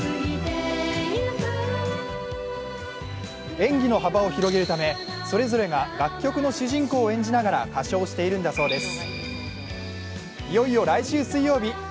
演技の幅を広げるためそれぞれが楽曲の主人公を演じながら、歌唱しているんだそうです。